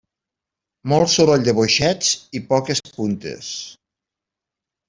Molt soroll de boixets i poques puntes.